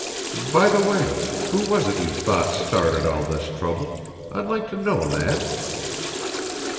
By the way, who was it you thought started all this trouble? I'd like to know that."